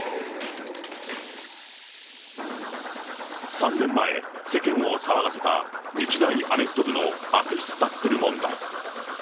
３年前、世間を騒がせた日大アメフト部の悪質タックル問題。